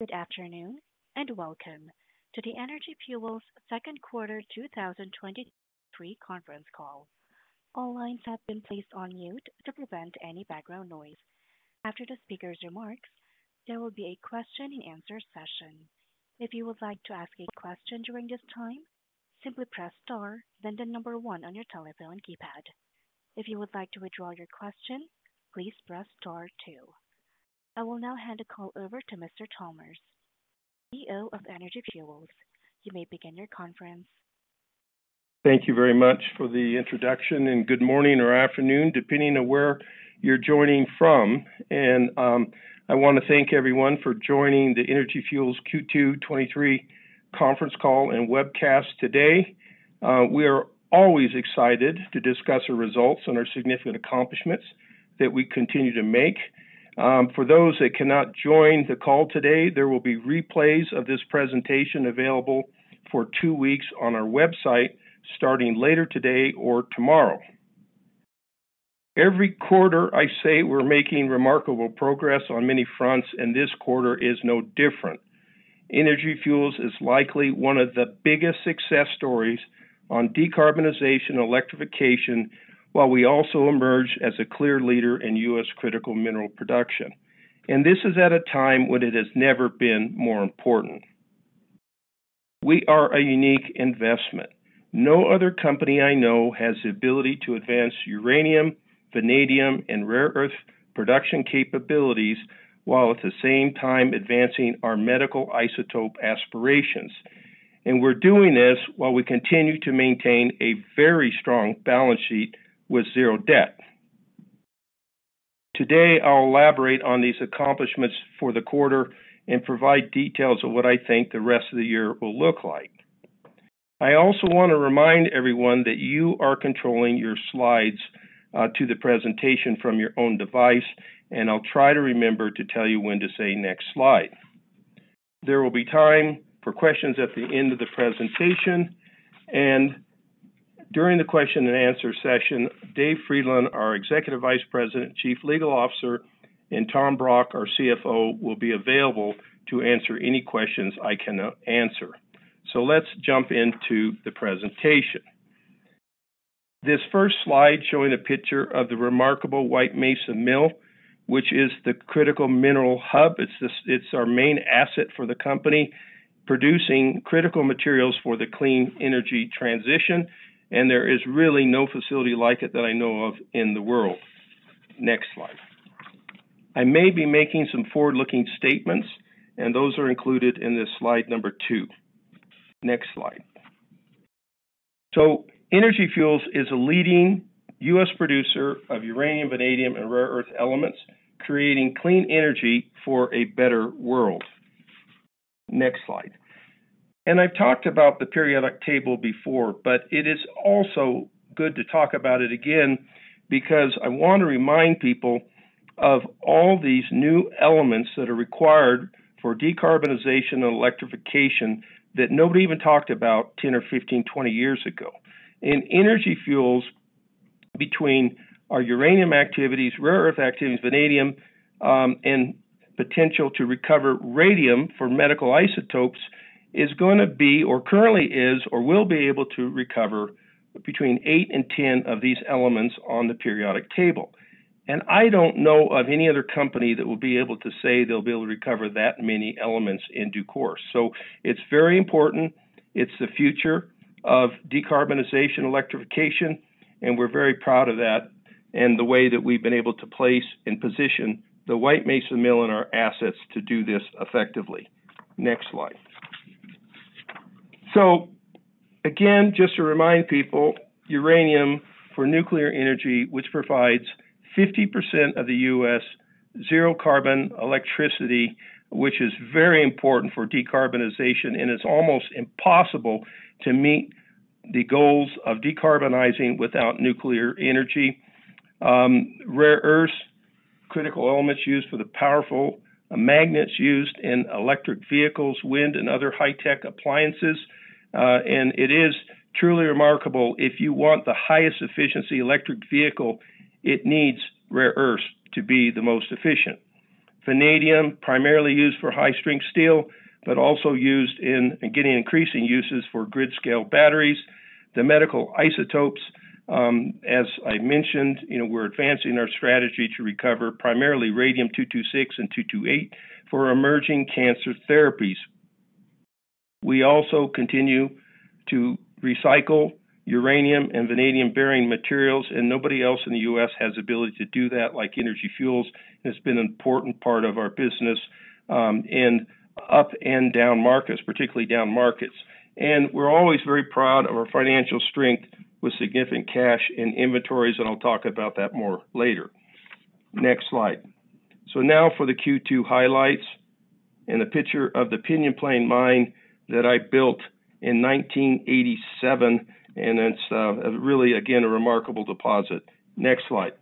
Good afternoon, and welcome to the Energy Fuels second quarter 2023 conference call. All lines have been placed on mute to prevent any background noise. After the speaker's remarks, there will be a question and answer session. If you would like to ask a question during this time, simply press star, then the number one on your telephone keypad. If you would like to withdraw your question, please press Star two. I will now hand the call over to Mark Chalmers, CEO of Energy Fuels. You may begin your conference. Thank you very much for the introduction. Good morning or afternoon, depending on where you're joining from. I want to thank everyone for joining the Energy Fuels Q2 2023 conference call and webcast today. We are always excited to discuss our results and our significant accomplishments that we continue to make. For those that cannot join the call today, there will be replays of this presentation available for two weeks on our website, starting later today or tomorrow. Every quarter, I say we're making remarkable progress on many fronts, and this quarter is no different. Energy Fuels is likely one of the biggest success stories on decarbonization and electrification, while we also emerge as a clear leader in U.S. critical mineral production. This is at a time when it has never been more important. We are a unique investment. No other company I know has the ability to advance uranium, vanadium, and rare earth production capabilities, while at the same time advancing our medical isotope aspirations. We're doing this while we continue to maintain a very strong balance sheet with zero debt. Today, I'll elaborate on these accomplishments for the quarter and provide details of what I think the rest of the year will look like. I also want to remind everyone that you are controlling your slides to the presentation from your own device, and I'll try to remember to tell you when to say next slide. There will be time for questions at the end of the presentation, and during the question and answer session, Dave Frydenlund, our Executive Vice President, Chief Legal Officer, and Tom Brock, our CFO, will be available to answer any questions I cannot answer. Let's jump into the presentation. This first slide, showing a picture of the remarkable White Mesa Mill, which is the critical mineral hub. It's our main asset for the company, producing critical materials for the clean energy transition, and there is really no facility like it that I know of in the world. Next slide. I may be making some forward-looking statements, and those are included in this slide number two. Next slide. Energy Fuels is a leading U.S. producer of uranium, vanadium, and rare earth elements, creating clean energy for a better world. Next slide. I've talked about the periodic table before, but it is also good to talk about it again because I want to remind people of all these new elements that are required for decarbonization and electrification that nobody even talked about 10 or 15, 20 years ago. Energy Fuels between our uranium activities, rare earth activities, vanadium, and potential to recover radium for medical isotopes, is gonna be, or currently is or will be able to recover between 8 and 10 of these elements on the periodic table. I don't know of any other company that will be able to say they'll be able to recover that many elements in due course. It's very important. It's the future of decarbonization, electrification, and we're very proud of that, and the way that we've been able to place and position the White Mesa Mill and our assets to do this effectively. Next slide. Again, just to remind people, uranium for nuclear energy, which provides 50% of the U.S. zero carbon electricity, which is very important for decarbonization, and it's almost impossible to meet the goals of decarbonizing without nuclear energy. Rare earths, critical elements used for the powerful magnets used in electric vehicles, wind, and other high-tech appliances. It is truly remarkable. If you want the highest efficiency electric vehicle, it needs rare earths to be the most efficient. Vanadium, primarily used for high-strength steel, but also used in getting increasing uses for grid-scale batteries. The medical isotopes, as I mentioned, you know, we're advancing our strategy to recover primarily radium-226 and 228 for emerging cancer therapies. We also continue to recycle uranium and vanadium-bearing materials, nobody else in the U.S. has the ability to do that like Energy Fuels. It's been an important part of our business, in up and down markets, particularly down markets. We're always very proud of our financial strength with significant cash in inventories, and I'll talk about that more later. Next slide. Now for the Q2 highlights and a picture of the Pinyon Plain Mine that I built in 1987, and it's really, again, a remarkable deposit. Next slide.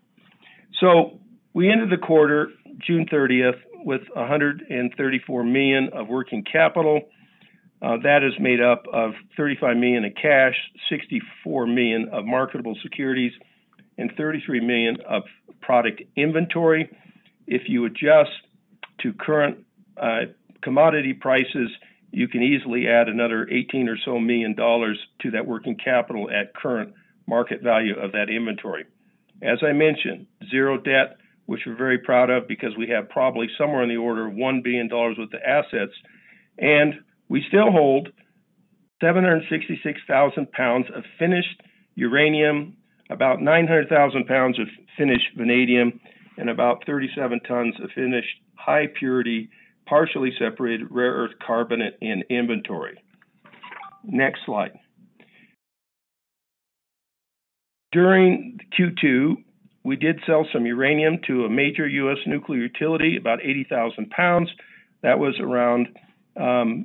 We ended the quarter, June 30th, with $134 million of working capital. That is made up of $35 million in cash, $64 million of marketable securities, and $33 million of product inventory. If you adjust to current commodity prices, you can easily add another $18 million or so to that working capital at current market value of that inventory. As I mentioned, zero debt, which we're very proud of because we have probably somewhere in the order of $1 billion worth of assets, and we still hold 766,000 pounds of finished uranium, about 900,000 pounds of finished vanadium, and about 37 tons of finished high purity, partially separated rare earth carbonate in inventory. Next slide. During Q2, we did sell some uranium to a major U.S. nuclear utility, about 80,000 pounds. That was around $4.3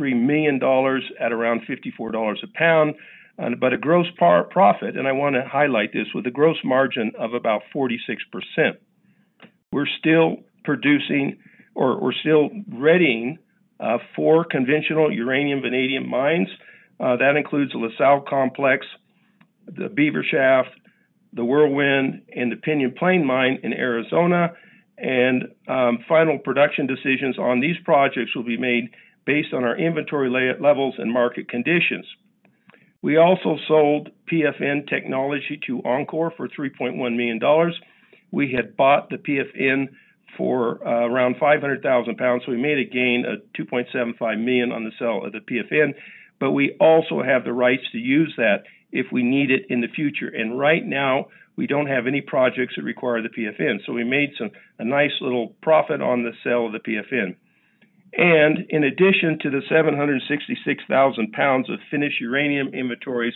million at around $54 a pound, but a gross par profit, and I want to highlight this, with a gross margin of about 46%. We're still producing or we're still readying four conventional uranium, vanadium mines. That includes the La Sal Complex, the Beaver Shaft, the Whirlwind, and the Pinyon Plain Mine in Arizona. Final production decisions on these projects will be made based on our inventory levels and market conditions. We also sold PFN technology to enCore for $3.1 million. We had bought the PFN for around 500,000 pounds, so we made a gain of $2.75 million on the sale of the PFN, but we also have the rights to use that if we need it in the future. Right now, we don't have any projects that require the PFN, so we made a nice little profit on the sale of the PFN. In addition to the 766,000 pounds of finished uranium inventories,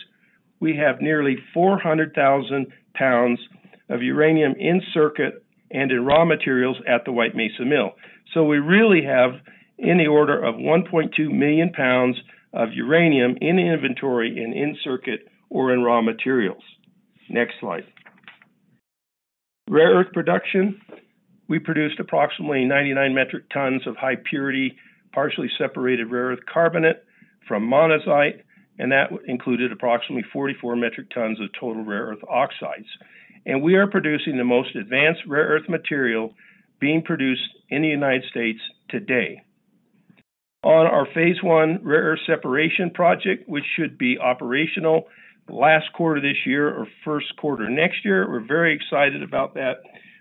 we have nearly 400,000 pounds of uranium in circuit and in raw materials at the White Mesa Mill. We really have any order of 1.2 million pounds of uranium in inventory and in circuit or in raw materials. Next slide. Rare earth production. We produced approximately 99 metric tons of high purity, partially separated rare earth carbonate from monazite, and that included approximately 44 metric tons of total rare earth oxides. We are producing the most advanced rare earth material being produced in the United States today. On our phase one rare earth separation project, which should be operational last quarter this year or first quarter next year, we're very excited about that.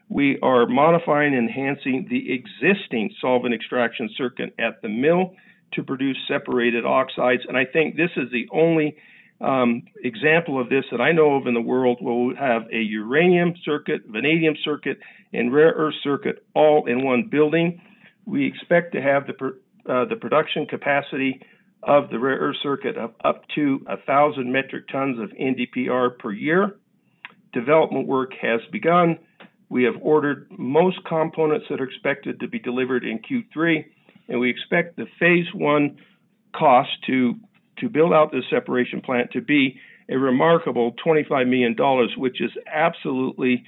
We are modifying and enhancing the existing solvent extraction circuit at the mill to produce separated oxides. I think this is the only example of this that I know of in the world, where we have a uranium circuit, vanadium circuit, and rare earth circuit all in one building. We expect to have the production capacity of the rare earth circuit of up to 1,000 metric tons of NDPR per year. Development work has begun. We have ordered most components that are expected to be delivered in Q3, and we expect the phase one cost to build out this separation plant to be a remarkable $25 million, which is absolutely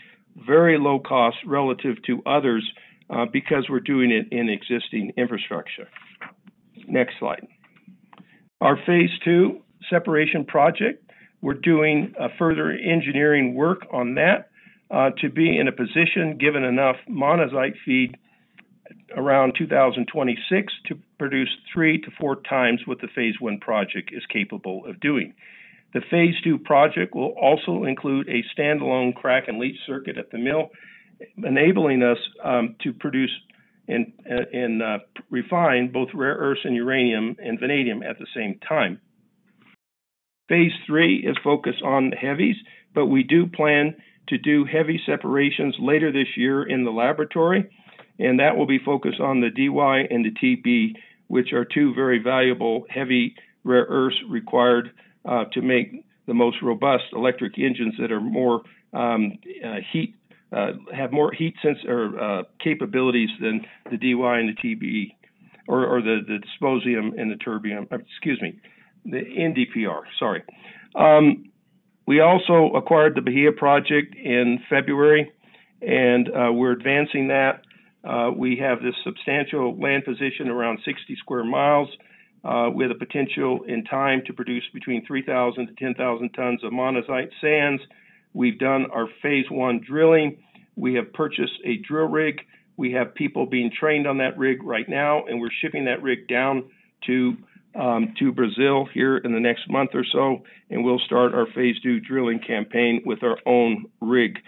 very low cost relative to others, because we're doing it in existing infrastructure. Next slide. Our phase two separation project, we're doing a further engineering work on that, to be in a position, given enough monazite feed around 2026, to produce three-four times what the phase one project is capable of doing. The phase two project will also include a standalone crack and leach circuit at the mill, enabling us to produce and refine both rare earths and uranium and vanadium at the same time. Phase three is focused on the heavies, but we do plan to do heavy separations later this year in the laboratory, and that will be focused on the Dy and the Tb, which are two very valuable heavy rare earths required to make the most robust electric engines that are more heat, have more heat sensor capabilities than the Dy and the Tb, or the dysprosium and the terbium. Excuse me, the NDPR, sorry. We also acquired the Bahia project in February, and we're advancing that. We have this substantial land position, around 60 sq mi, with a potential in time to produce between 3,000 to 10,000 tons of monazite sands. We've done our phase one drilling. We have purchased a drill rig. We have people being trained on that rig right now, and we're shipping that rig down to Brazil here in the next month or so, and we'll start our phase two drilling campaign with our own rig.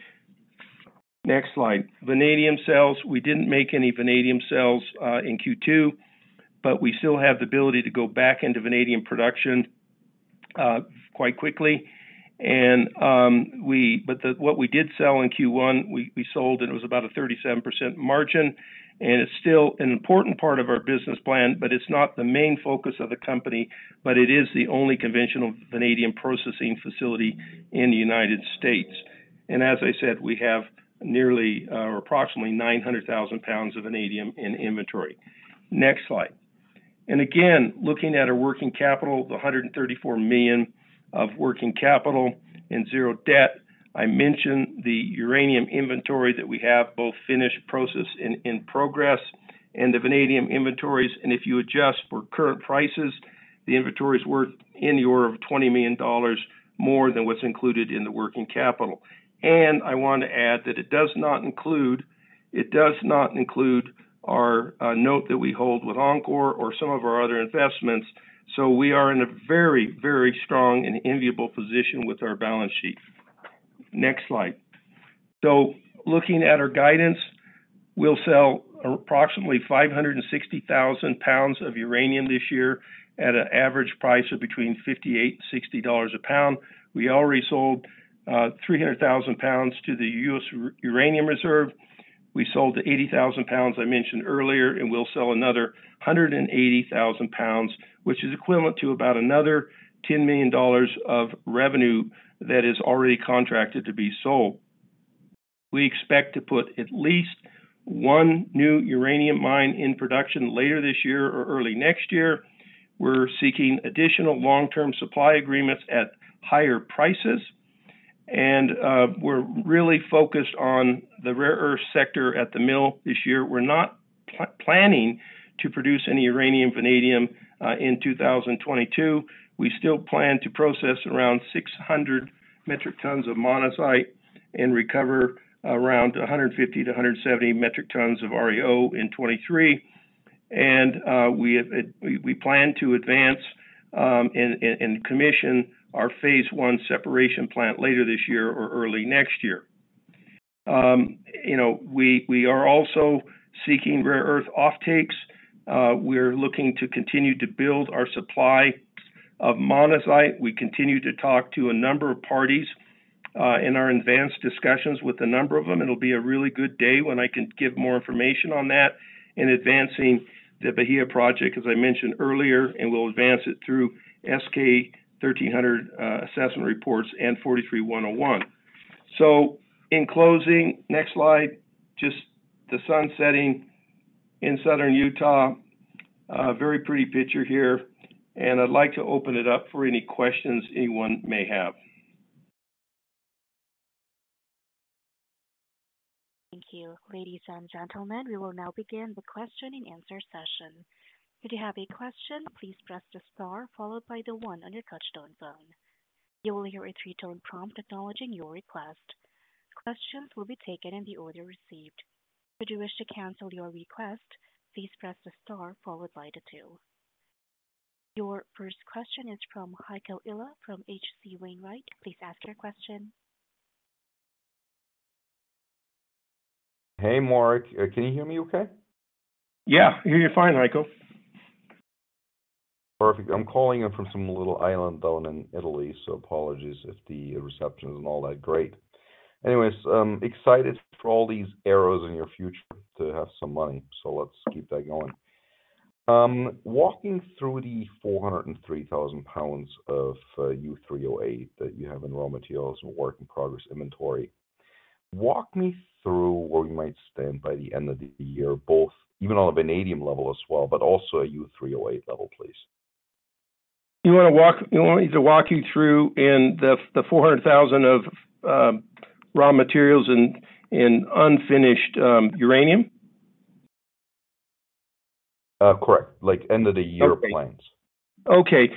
Next slide. Vanadium sales. We didn't make any vanadium sales in Q2, but we still have the ability to go back into vanadium production quite quickly. What we did sell in Q1, it was about a 37% margin, and it's still an important part of our business plan, but it's not the main focus of the company, but it is the only conventional vanadium processing facility in the United States. As I said, we have nearly, or approximately 900,000 pounds of vanadium in inventory. Next slide. Looking at our working capital, the $134 million of working capital and 0 debt. I mentioned the uranium inventory that we have, both finished, process, and in progress, the vanadium inventories, and if you adjust for current prices, the inventory is worth in the order of $20 million more than what's included in the working capital. I want to add that it does not include, it does not include our note that we hold with enCore Energy or some of our other investments. We are in a very, very strong and enviable position with our balance sheet. Next slide. Looking at our guidance, we'll sell approximately 560,000 pounds of uranium this year at an average price of between $58 and $60 a pound. We already sold 300,000 pounds to the US Uranium Reserve. We sold the 80,000 pounds I mentioned earlier, and we'll sell another 180,000 pounds, which is equivalent to about another $10 million of revenue that is already contracted to be sold. We expect to put at least 1 new uranium mine in production later this year or early next year. We're seeking additional long-term supply agreements at higher prices, and we're really focused on the rare earth sector at the mill this year. We're not planning to produce any uranium, vanadium in 2022. We still plan to process around 600 metric tons of monazite and recover around 150-170 metric tons of REO in 2023. We have, we, we plan to advance and commission our phase one separation plant later this year or early next year. You know, we, we are also seeking rare earth offtakes. We're looking to continue to build our supply of monazite. We continue to talk to a number of parties in our advanced discussions with a number of them. It'll be a really good day when I can give more information on that. In advancing the Bahia project, as I mentioned earlier, and we'll advance it through S-K 1300 assessment reports and NI 43-101. In closing, next slide, just the sun setting in southern Utah. A very pretty picture here, and I'd like to open it up for any questions anyone may have. Thank you. Ladies and gentlemen, we will now begin the question-and-answer session. If you have a question, please press the star followed by the one on your touchtone phone. You will hear a three tone prompt acknowledging your request. Questions will be taken in the order received. If you wish to cancel your request, please press the star followed by the two. Your first question is from Heiko Ihle, from H.C. Wainwright. Please ask your question. Hey, Mark. Can you hear me okay? Yeah, I hear you fine, Heiko. Perfect. I'm calling in from some little island down in Italy, so apologies if the reception isn't all that great. Excited for all these arrows in your future to have some money, so let's keep that going. Walking through the 403,000 pounds of U3O8 that you have in raw materials and work-in-progress inventory, walk me through where you might stand by the end of the year, both even on a vanadium level as well, but also a U3O8 level, please. You want to walk you want me to walk you through in the, the $400,000 of, raw materials and, and unfinished, uranium? Correct, like end of the year plans. Okay.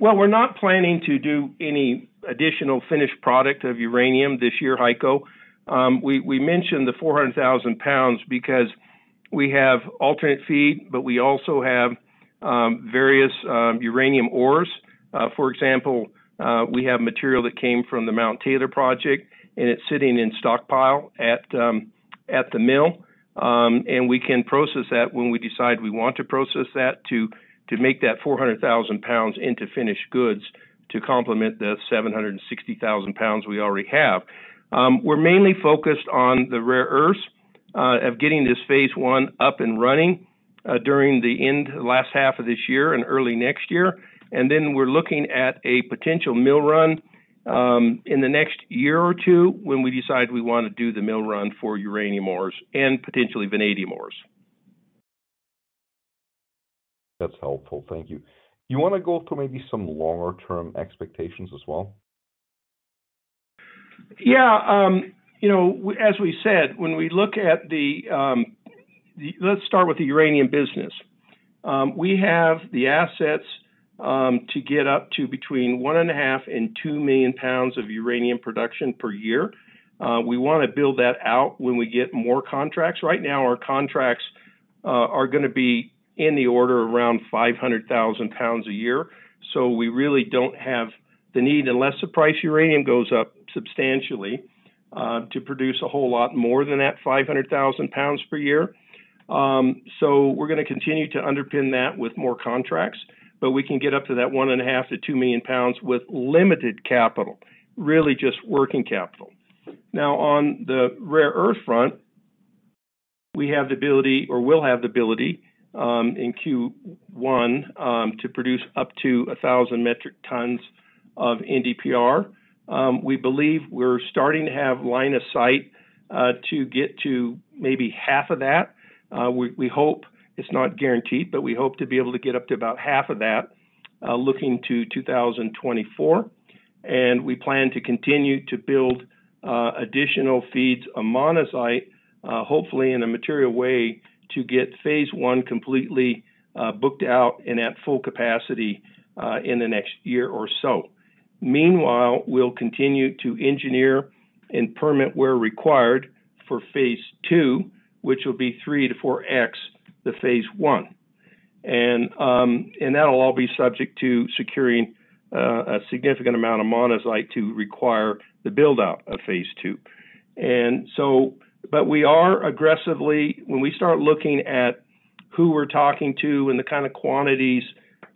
Well, we're not planning to do any additional finished product of uranium this year, Heiko. We, we mentioned the 400,000 pounds because we have alternate feed, we also have various uranium ores. For example, we have material that came from the Mount Taylor project, and it's sitting in stockpile at the mill. We can process that when we decide we want to process that, to, to make that 400,000 pounds into finished goods to complement the 760,000 pounds we already have. We're mainly focused on the rare earths of getting this phase one up and running during the last half of this year and early next year. We're looking at a potential mill run, in the next one or two years, when we decide we want to do the mill run for uranium ores and potentially vanadium ores. That's helpful. Thank you. You wanna go through maybe some longer-term expectations as well? Yeah, you know, as we said, when we look at the uranium business. We have the assets to get up to between 1.5 and 2 million pounds of uranium production per year. We wanna build that out when we get more contracts. Right now, our contracts are gonna be in the order around 500,000 pounds a year. We really don't have the need, unless the price uranium goes up substantially, to produce a whole lot more than that 500,000 pounds per year. We're gonna continue to underpin that with more contracts, we can get up to that 1.5 to 2 million pounds with limited capital, really just working capital. Now, on the rare earth front, we have the ability or will have the ability, in Q1, to produce up to 1,000 metric tons of NdPr. We believe we're starting to have line of sight to get to maybe half of that. We, we hope it's not guaranteed, but we hope to be able to get up to about half of that, looking to 2024. We plan to continue to build additional feeds of monazite, hopefully in a material way, to get phase one completely booked out and at full capacity in the next year or so. Meanwhile, we'll continue to engineer and permit where required for phase two, which will be 3-4x the phase one. That'll all be subject to securing a significant amount of monazite to require the build-out of phase two. We are aggressively. When we start looking at who we're talking to and the kind of quantities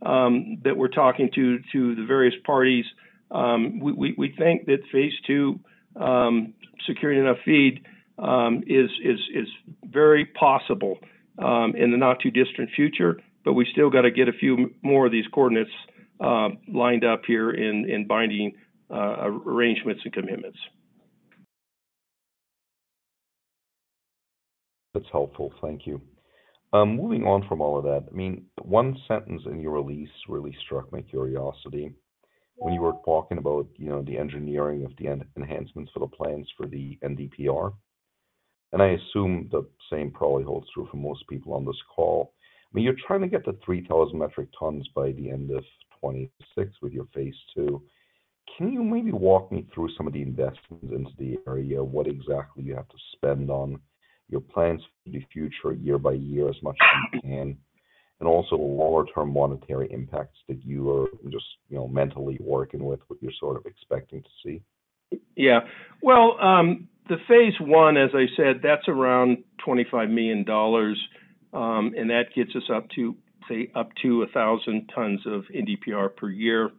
that we're talking to, to the various parties, we, we, we think that phase two, securing enough feed, is, is, is very possible in the not-too-distant future, but we still got to get a few more of these coordinates lined up here in binding arrangements and commitments. That's helpful. Thank you. Moving on from all of that, I mean, one sentence in your release really struck my curiosity. When you were talking about, you know, the engineering of the enhancements for the plans for the NDPR, and I assume the same probably holds true for most people on this call. I mean, you're trying to get to 3,000 metric tons by the end of 2026 with your phase two. Can you maybe walk me through some of the investments into the area, what exactly you have to spend on, your plans for the future, year by year, as much as you can, and also the longer-term monetary impacts that you are just, you know, mentally working with, what you're sort of expecting to see? Yeah. Well, the phase one, as I said, that's around $25 million, and that gets us up to, say, up to 1,000 tons of NDPR per year.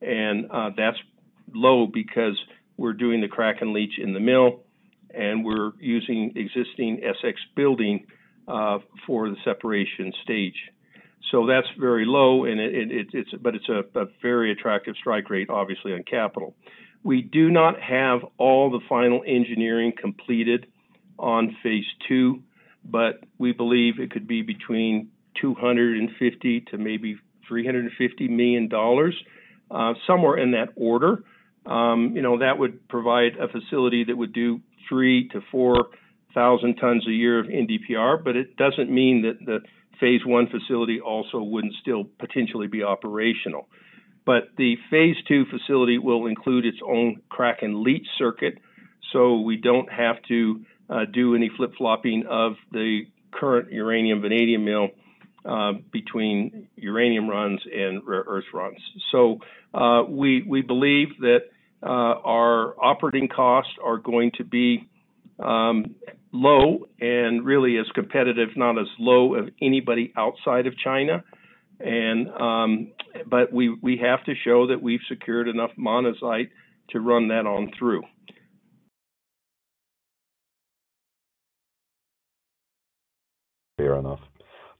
That's low because we're doing the crack and leach in the mill, and we're using existing SX building for the separation stage. That's very low, and it's but it's a very attractive strike rate, obviously, on capital. We do not have all the final engineering completed on phase two, but we believe it could be between $250 million-$350 million, somewhere in that order. You know, that would provide a facility that would do 3,000-4,000 tons a year of NDPR, but it doesn't mean that the phase one facility also wouldn't still potentially be operational. The phase two facility will include its own crack and leach circuit, so we don't have to do any flip-flopping of the current uranium vanadium mill between uranium runs and rare earth runs. We, we believe that our operating costs are going to be low and really as competitive, if not as low as anybody outside of China. We, we have to show that we've secured enough monazite to run that on through. Fair enough.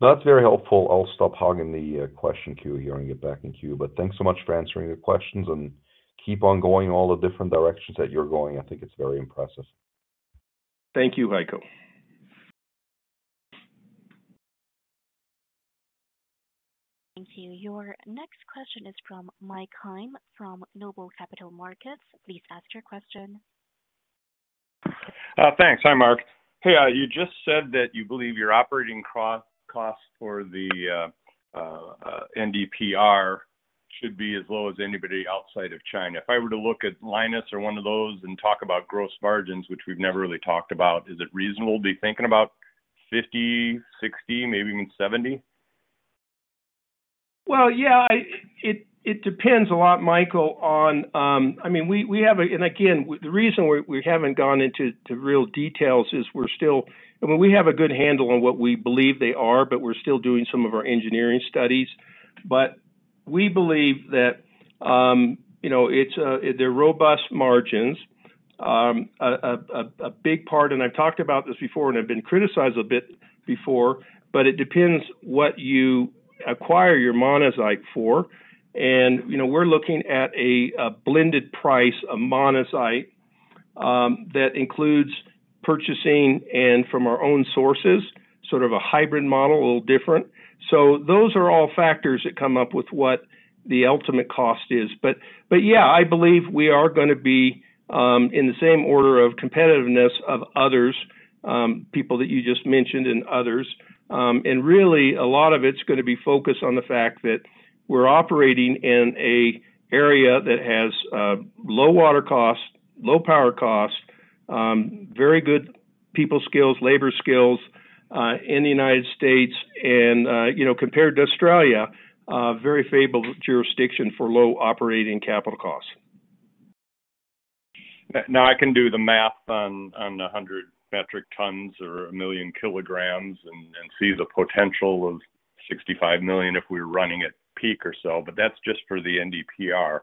That's very helpful. I'll stop hogging the question queue here and get back in queue. Thanks so much for answering the questions, and keep on going all the different directions that you're going. I think it's very impressive. Thank you, Heiko. Thank you. Your next question is from Mike Heim, from Noble Capital Markets. Please ask your question. Thanks. Hi, Mark. Hey, you just said that you believe your operating cost, cost for the NDPR should be as low as anybody outside of China. If I were to look at Lynas or one of those and talk about gross margins, which we've never really talked about, is it reasonable to be thinking about 50%, 60%, maybe even 70%? Well, yeah, it, it depends a lot, Michael, on. I mean, we have a and again, the reason we haven't gone into, to real details is we're still. I mean, we have a good handle on what we believe they are, but we're still doing some of our engineering studies. We believe that, you know, it's a, they're robust margins. A big part, and I've talked about this before, and I've been criticized a bit before, but it depends what you acquire your monazite for. You know, we're looking at a blended price of monazite that includes purchasing and from our own sources, sort of a hybrid model, a little different. Those are all factors that come up with what the ultimate cost is. Yeah, I believe we are gonna be in the same order of competitiveness of others, people that you just mentioned and others. Really, a lot of it's gonna be focused on the fact that we're operating in a area that has low water costs, low power costs, very good people skills, labor skills in the United States, and, you know, compared to Australia, a very favorable jurisdiction for low operating capital costs. Now, I can do the math on, on the 100 metric tons or 1 million kilograms and, and see the potential of $65 million if we're running at peak or so, but that's just for the NDPR.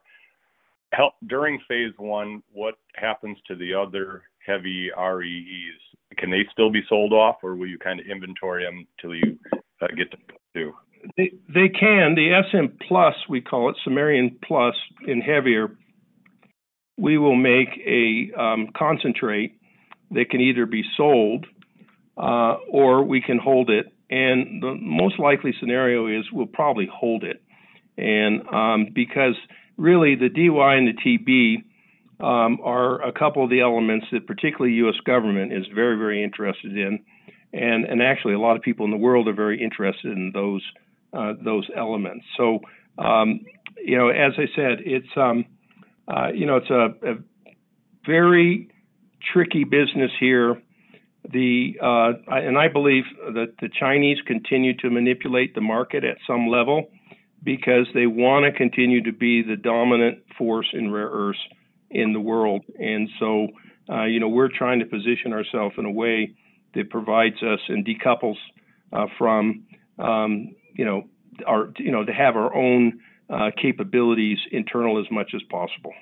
During phase one, what happens to the other heavy REEs? Can they still be sold off, or will you kind of inventory them till you get to phase two? They, they can. The Sm+, we call it samarium plus and heavier-... we will make a concentrate that can either be sold, or we can hold it, and the most likely scenario is we'll probably hold it. Because really the Dy and the Tb are a couple of the elements that particularly U.S. government is very, very interested in. Actually a lot of people in the world are very interested in those, those elements. You know, as I said, it's, you know, it's a very tricky business here. I believe that the Chinese continue to manipulate the market at some level because they wanna continue to be the dominant force in rare earths in the world. you know, we're trying to position ourselves in a way that provides us and decouples from, you know, our You know, to have our own capabilities internal as much as possible.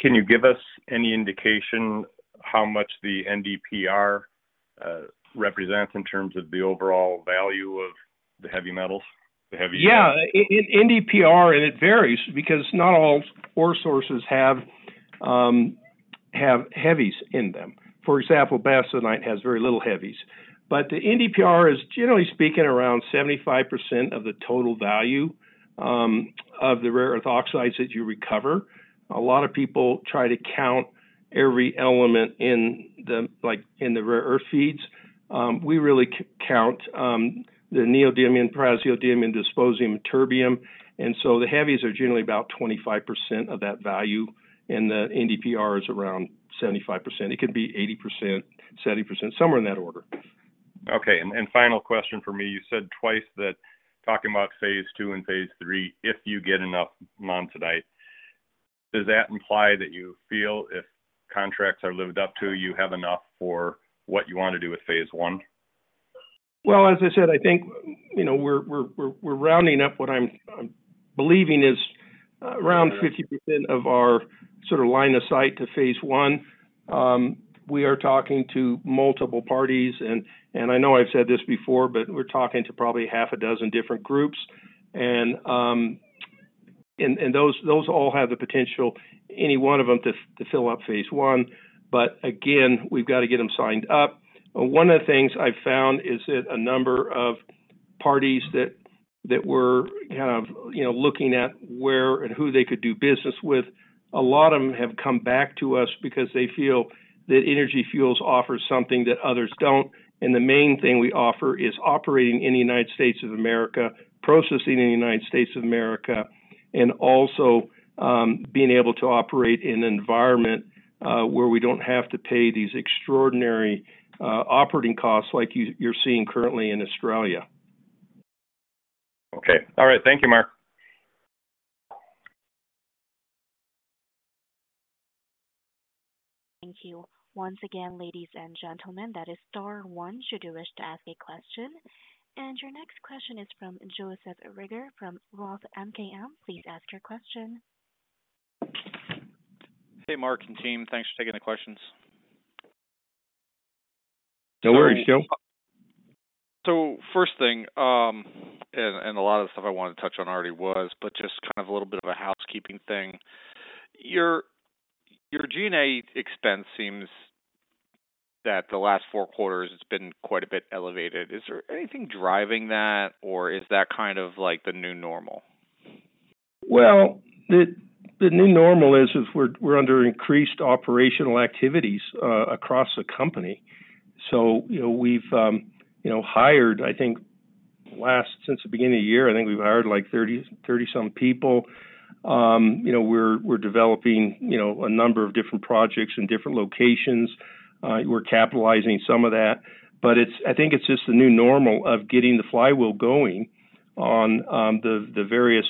Can you give us any indication how much the NdPr represents in terms of the overall value of the heavy metals, the heavy? Yeah. NdPr, it varies because not all ore sources have heavies in them. For example, bastnäsite has very little heavies, but the NdPr is, generally speaking, around 75% of the total value of the rare earth oxides that you recover. A lot of people try to count every element in the, like, in the rare earth feeds. We really count the neodymium, praseodymium, dysprosium, terbium, and so the heavies are generally about 25% of that value, and the NdPr is around 75%. It could be 80%, 70%, somewhere in that order. Okay, final question for me. You said twice that talking about phase two and phase three, if you get enough monazite, does that imply that you feel if contracts are lived up to, you have enough for what you want to do with phase one? Well, as I said, I think, you know, we're, we're, we're, we're rounding up what I'm, I'm believing is, around 50% of our sort of line of sight to phase one. We are talking to multiple parties, and, and I know I've said this before, we're talking to probably 6 different groups. Those, those all have the potential, any one of them, to, to fill up phase one. Again, we've got to get them signed up. One of the things I've found is that a number of parties that, that were kind of, you know, looking at where and who they could do business with, a lot of them have come back to us because they feel that Energy Fuels offers something that others don't. The main thing we offer is operating in the United States of America, processing in the United States of America, and also being able to operate in an environment where we don't have to pay these extraordinary operating costs like you're seeing currently in Australia. Okay. All right. Thank you, Mark. Thank you. Once again, ladies and gentlemen, that is star one, should you wish to ask a question. Your next question is from Joseph Reagor from Roth MKM. Please ask your question. Hey, Mark and team. Thanks for taking the questions. No worries, Joe. First thing, and a lot of the stuff I wanted to touch on already was, but just kind of a little bit of a housekeeping thing. Your G&A expense seems that the last four quarters, it's been quite a bit elevated. Is there anything driving that, or is that kind of like the new normal? Well, the, the new normal is, is we're, we're under increased operational activities across the company. You know, we've, you know, hired, I think last... Since the beginning of the year, I think we've hired, like, 30, 30 some people. You know, we're, we're developing, you know, a number of different projects in different locations. We're capitalizing some of that, but it's, I think it's just the new normal of getting the flywheel going on, the, the various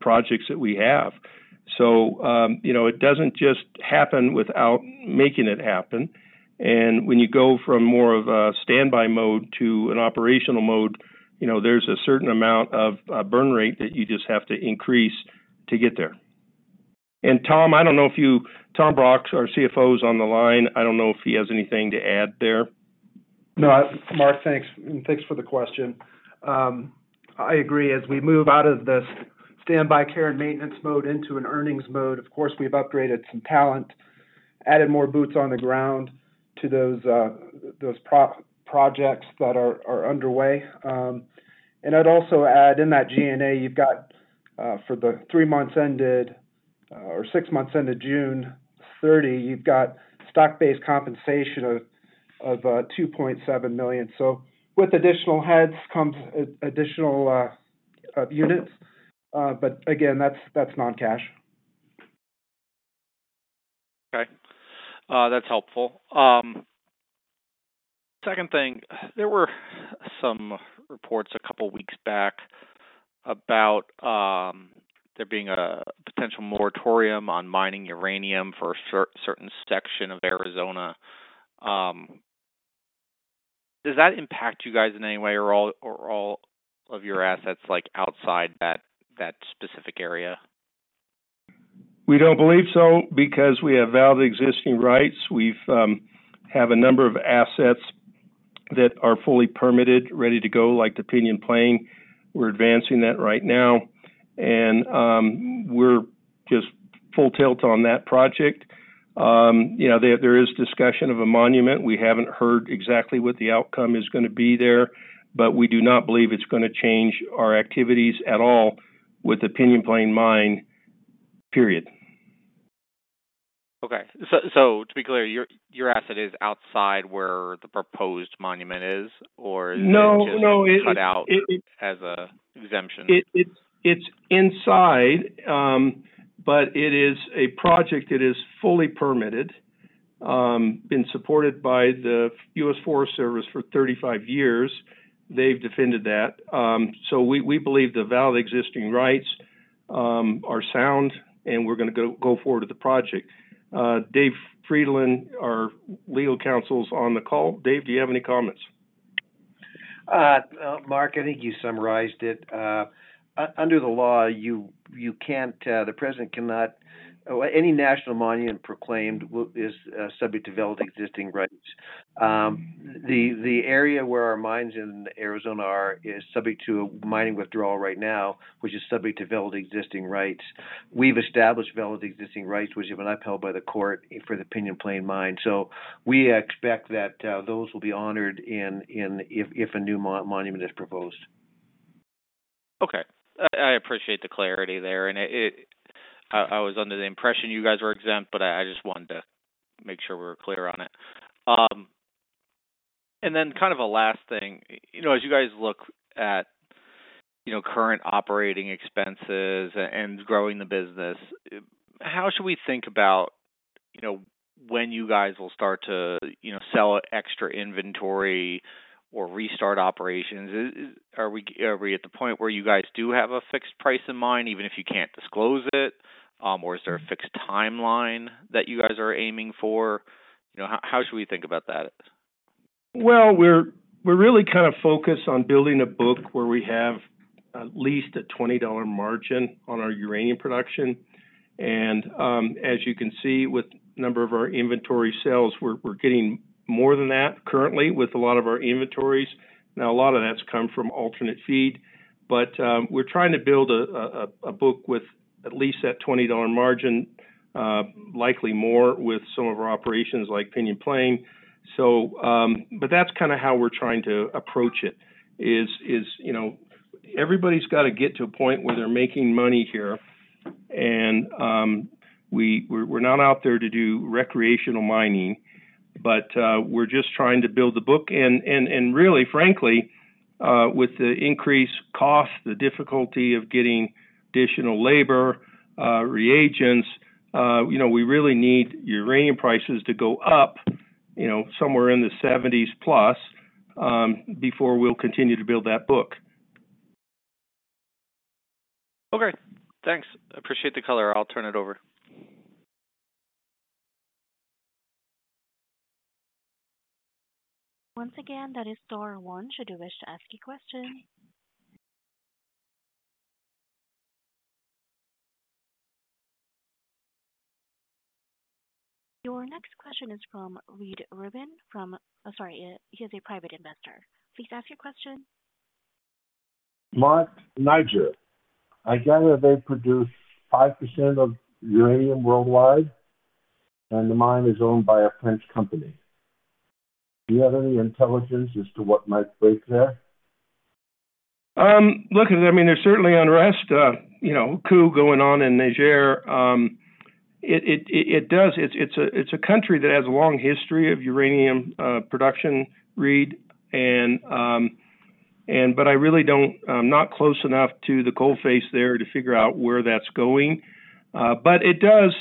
projects that we have. You know, it doesn't just happen without making it happen, and when you go from more of a standby mode to an operational mode, you know, there's a certain amount of burn rate that you just have to increase to get there. Tom, I don't know if you Tom Brock, our CFO, is on the line. I don't know if he has anything to add there. No, Mark, thanks. Thanks for the question. I agree. As we move out of this standby care and maintenance mode into an earnings mode, of course, we've upgraded some talent, added more boots on the ground to those, those projects that are, are underway. I'd also add in that G&A, you've got, for the three months ended or six months ended June 30, you've got stock-based compensation of, of, $2.7 million. With additional heads comes additional, units. Again, that's, that's non-cash. Okay, that's helpful. Second thing, there were some reports 2 weeks back about there being a potential moratorium on mining uranium for a certain section of Arizona. Does that impact you guys in any way or all, or all of your assets, like, outside that, that specific area? We don't believe so because we have valid existing rights. We've have a number of assets-... that are fully permitted, ready to go, like the Pinyon Plain. We're advancing that right now, and we're just full tilt on that project. You know, there, there is discussion of a monument. We haven't heard exactly what the outcome is going to be there, but we do not believe it's going to change our activities at all with the Pinyon Plain mine, period. Okay. So to be clear, your, your asset is outside where the proposed monument is, or No, no. cut out as a exemption. It, it's, it's inside, but it is a project that is fully permitted, been supported by the U.S. Forest Service for 35 years. They've defended that. We, we believe the valid existing rights are sound, and we're going to go, go forward with the project. Dave Frydenlund, our legal counsel, is on the call. Dave, do you have any comments? Mark, I think you summarized it. Under the law, you, you can't, the president cannot. Any national monument proclaimed is subject to valid existing rights. The area where our mines in Arizona are, is subject to mining withdrawal right now, which is subject to valid existing rights. We've established valid existing rights, which have been upheld by the court for the Pinyon Plain Mine. So we expect that those will be honored in if a new monument is proposed. Okay. I, I appreciate the clarity there, and it I, I was under the impression you guys were exempt, but I, I just wanted to make sure we were clear on it. Then kind of a last thing, you know, as you guys look at, you know, current operating expenses and growing the business, how should we think about, you know, when you guys will start to, you know, sell extra inventory or restart operations? Is, are we, are we at the point where you guys do have a fixed price in mind, even if you can't disclose it? Or is there a fixed timeline that you guys are aiming for? You know, how, how should we think about that? Well, we're, we're really kind of focused on building a book where we have at least a $20 margin on our uranium production. As you can see with a number of our inventory sales, we're, we're getting more than that currently with a lot of our inventories. Now, a lot of that's come from alternate feed, but we're trying to build a, a, a, a book with at least that $20 margin, likely more with some of our operations like Pinyon Plain. But that's kind of how we're trying to approach it, is, is, you know, everybody's got to get to a point where they're making money here. We, we're, we're not out there to do recreational mining, but we're just trying to build the book. Really, frankly, with the increased cost, the difficulty of getting additional labor, reagents, you know, we really need uranium prices to go up, you know, somewhere in the 70s plus, before we'll continue to build that book. Okay, thanks. Appreciate the color. I'll turn it over. Once again, that is star one, should you wish to ask a question. Your next question is from Reid Rubin from, Oh, sorry, he is a private investor. Please ask your question. Mark Niger, I gather they produce 5% of uranium worldwide, and the mine is owned by a French company. Do you have any intelligence as to what might break there? Look, I mean, there's certainly unrest, you know, coup going on in Niger. It, it, it does, it's, it's a, it's a country that has a long history of uranium production, Reid, but I really don't, I'm not close enough to the coal face there to figure out where that's going. But it does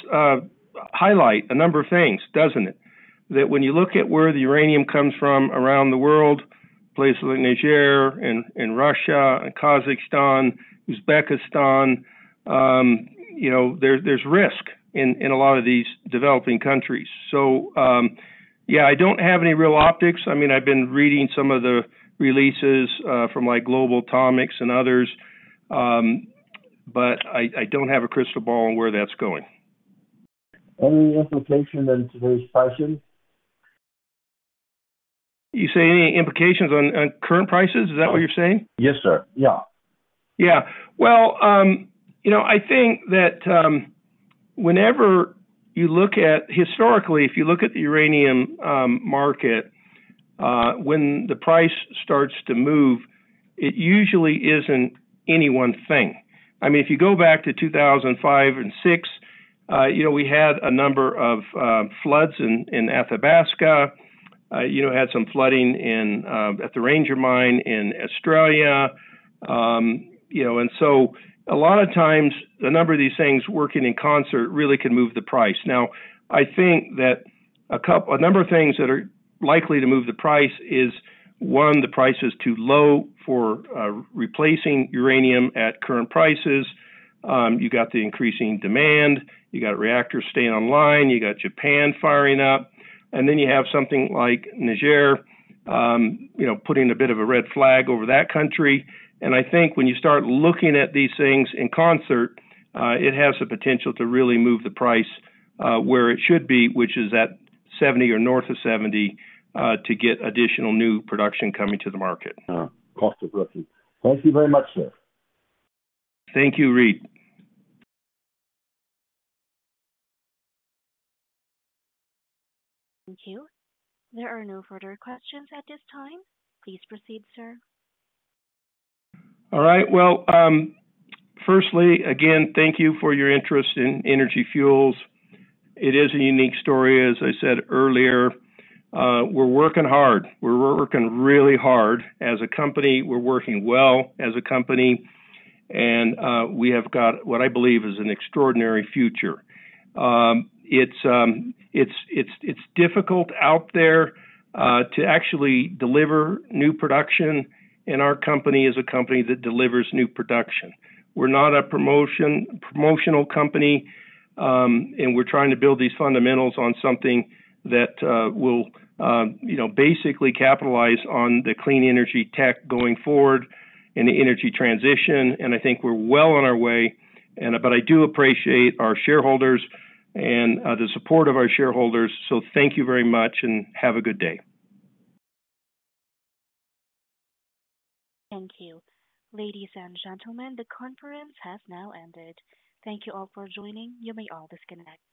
highlight a number of things, doesn't it? That when you look at where the uranium comes from around the world, places like Niger and Russia, and Kazakhstan, Uzbekistan, you know, there's risk in a lot of these developing countries. Yeah, I don't have any real optics. I mean, I've been reading some of the releases from, like, Global Atomic and others, but I don't have a crystal ball on where that's going. Any implication in today's prices? You say any implications on, on current prices? Is that what you're saying? Yes, sir. Yeah. Yeah. Well, you know, I think that whenever you look at historically, if you look at the uranium market, when the price starts to move, it usually isn't any one thing. I mean, if you go back to 2005 and 2006, you know, we had a number of floods in Athabasca. You know, had some flooding in at the Ranger Mine in Australia. You know, a lot of times, a number of these things working in concert really can move the price. Now, I think that a number of things that are likely to move the price is, one, the price is too low for replacing uranium at current prices. You got the increasing demand, you got reactors staying online, you got Japan firing up, then you have something like Niger, you know, putting a bit of a red flag over that country. I think when you start looking at these things in concert, it has the potential to really move the price, where it should be, which is at 70 or north of 70, to get additional new production coming to the market. cost of recovery. Thank you very much, sir. Thank you, Reid. Thank you. There are no further questions at this time. Please proceed, sir. All right. Well, firstly, again, thank you for your interest in Energy Fuels. It is a unique story. As I said earlier, we're working hard. We're working really hard as a company. We're working well as a company, and we have got what I believe is an extraordinary future. It's, it's, it's, it's difficult out there to actually deliver new production, and our company is a company that delivers new production. We're not a promotion, promotional company, and we're trying to build these fundamentals on something that will, you know, basically capitalize on the clean energy tech going forward and the energy transition. I think we're well on our way but I do appreciate our shareholders and the support of our shareholders. Thank you very much and have a good day. Thank you. Ladies and gentlemen, the conference has now ended. Thank you all for joining. You may all disconnect.